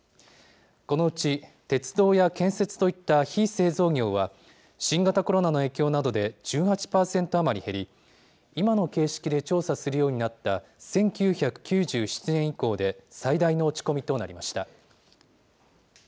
このうち鉄道や建設といった非製造業は、新型コロナの影響などで１８％余り減り、今の形式で調査するようになった１９９７年以降で最大の落ち込みとなりました。